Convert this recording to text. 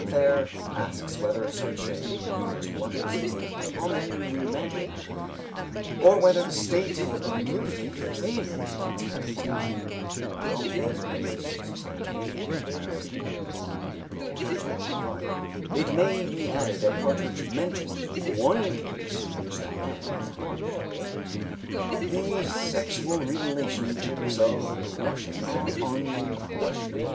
Féré asks whether such a universal blush is more common than we imagine, or whether the state of nudity favors its manifestation. (Comptes Rendus, Société de Biologie, April 1, 1905.) It may be added that Partridge mentions one case in which the hands blushed. The sexual relationships of blushing are unquestionable.